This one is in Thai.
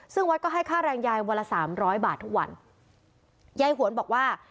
ซึ่งวัดก็ให้ค่าแรงยายวันละสามร้อยบาททุกวันยายหวนบอกว่า